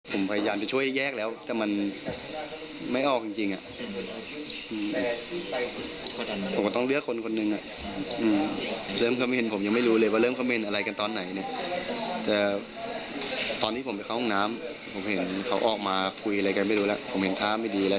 เขาออกมายืนดูได้ไม่ถึงสองวิอ่ะเขาก็สัดขึ้นแล้ว